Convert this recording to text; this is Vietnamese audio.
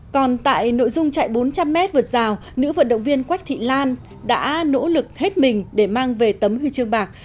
còn tại nội dung chạy bốn trăm linh m vượt rào nữ vận động viên quách thị lan đã nỗ lực hết mình để mang về tấm huy chương bạc